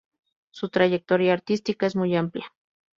Su trayectoria artística es muy amplia.